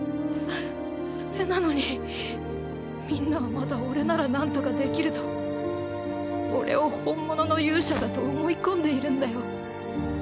それなのにみんなはまだ俺ならなんとかできると俺を本物の勇者だと思い込んでいるんだよ。